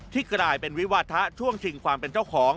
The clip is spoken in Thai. กลายเป็นวิวาทะช่วงชิงความเป็นเจ้าของ